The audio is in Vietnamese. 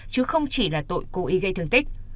chứ không chỉ là tội cố ý gây thương tích